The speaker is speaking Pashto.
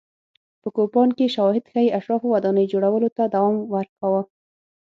په کوپان کې شواهد ښيي اشرافو ودانۍ جوړولو ته دوام ورکاوه.